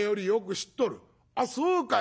「あっそうかい。